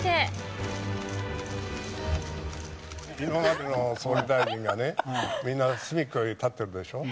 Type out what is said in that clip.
今までの総理大臣がね、みんな隅っこに立ってるでしょ？